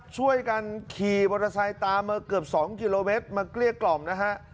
ช่วยกันขี่บริษัทตามเกือบสองกิโลเมตรมาเกลี้ยกล่อมนะฮะ